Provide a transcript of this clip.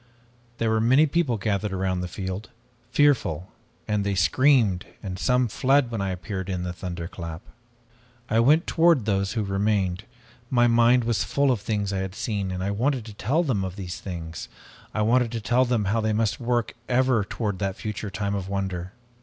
"There were many people gathered around the field, fearful, and they screamed and some fled when I appeared in the thunderclap. I went toward those who remained. My mind was full of things I had seen and I wanted to tell them of these things. I wanted to tell them how they must work ever toward that future time of wonder.